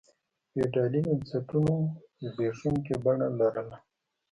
فیوډالي بنسټونو زبېښونکي بڼه لرله.